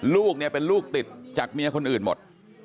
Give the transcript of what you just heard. ลูกเนี่ยเป็นลูกติดจากเมียคนอื่นหมด